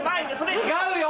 違うよ！